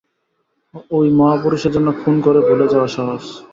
ওই মহাপুরুষের জন্য খুন করে ভুলে যাওয়া সহজ।